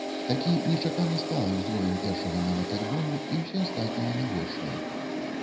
Такі нечакана сталы ўзровень першага нават альбому і ўсё астатняе не горшае.